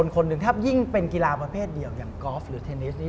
คนหนึ่งถ้ายิ่งเป็นกีฬาประเภทเดียวอย่างกอล์ฟหรือเทนนิสนี่